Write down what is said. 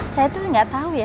saya tuh nggak tahu ya